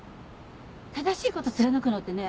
正しいこと貫くのってね